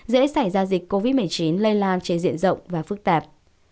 dịch covid một mươi chín lây lan trên diện rộng và phức tạp